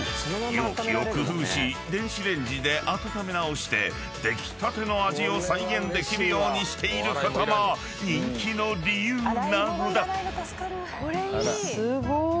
容器を工夫し電子レンジで温め直して出来たての味を再現できるようにしていることも人気の理由なのだ］